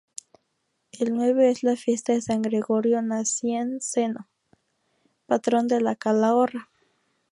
El nueve es la fiesta de San Gregorio Nacianceno, patrón de La Calahorra.